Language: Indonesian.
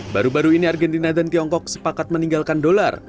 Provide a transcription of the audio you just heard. baru baru ini argentina dan tiongkok sepakat meninggalkan dolar